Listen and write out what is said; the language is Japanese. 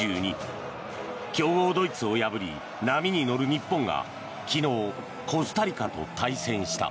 強豪ドイツを破り波に乗る日本が昨日、コスタリカと対戦した。